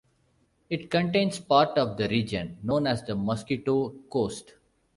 It contains part of the region known as the Mosquito Coast.